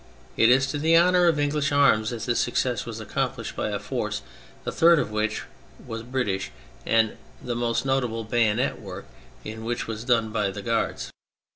It is to the honour of English arms that this success was accomplished by a force a third of which was British and the most notable bayonet work in which was done by the Guards.